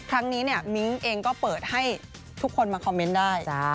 ครั้งนี้เนี่ยมิ้งเองก็เปิดให้ทุกคนมาคอมเมนต์ได้